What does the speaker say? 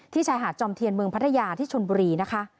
ชายหาดจอมเทียนเมืองพัทยาที่ชนบุรีนะคะ